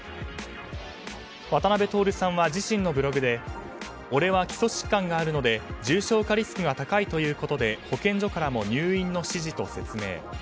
渡辺徹さんは自身のブログで俺は基礎疾患があるので重症化リスクが高いということで保健所からも入院の指示と説明。